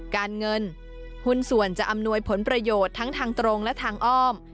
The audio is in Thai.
การเงินหุ้นส่วนจะอำนวยผลประโยชน์ทั้งทางตรงและทางอ้อม